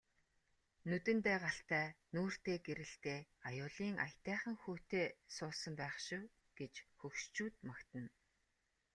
Нүдэндээ галтай нүүртээ гэрэлтэй аюулын аятайхан хүүтэй суусан байх шив гэж хөгшчүүд магтана.